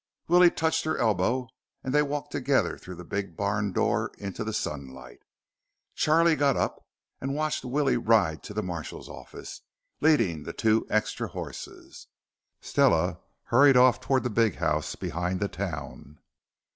Willie touched her elbow and they walked together through the big barn door into the sunlight. Charlie got up and watched Willie ride to the marshal's office, leading the two extra horses. Stella hurried off toward the big house behind the town.